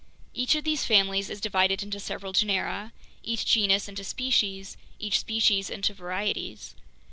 Each of these families is divided into several genera, each genus into species, each species into varieties.